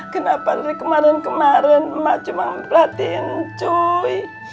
kenapa dari kemarin kemarin emak cuma memperhatiin cuy